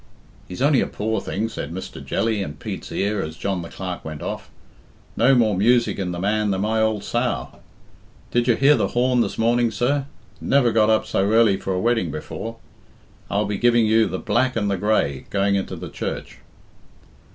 "He's only a poor thing," said Mr. Jelly in Pete's ear as John the Clerk went off. "No more music in the man than my ould sow. Did you hear the horn this morning, sir? Never got up so early for a wedding before. I'll be giving you 'the Black and the Grey' going into the church."